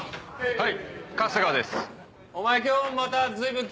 はい。